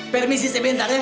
permisi saya bentar ya